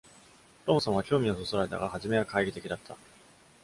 トムソンは興味をそそられたが初めは懐疑的だった。